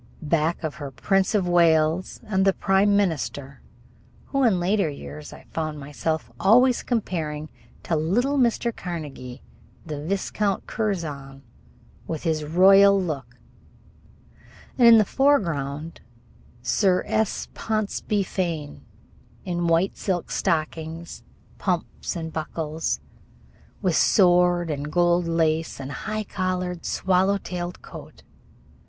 Back of her the Prince of Wales and the Prime Minister, who in later years I found myself always comparing to little Mr. Carnegie, the Viscount Curzon with his royal look, and in the foreground Sir S. Ponsonby Fane, in white silk stockings, pumps and buckles, with sword and gold lace, and high collared swallow tailed coat.